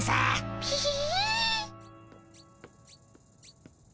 ピィ。